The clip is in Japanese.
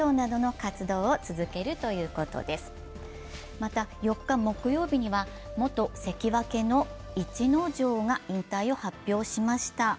また、４日木曜日には元関脇の逸ノ城が引退を発表しました。